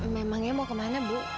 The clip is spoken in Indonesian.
memangnya mau ke mana bu